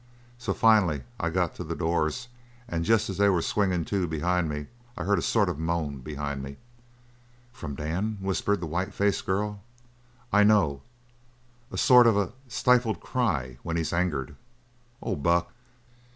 So finally I got to the doors and just as they was swingin' to behind me, I heard a sort of a moan behind me " "From Dan!" whispered the white faced girl. "I know a sort of a stifled cry when he's angered! Oh, Buck."